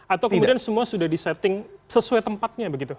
atau kemudian semua sudah di setting sesuai tempatnya begitu